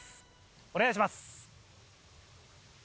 お願いします。